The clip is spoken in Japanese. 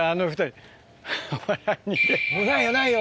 もうないよないよ！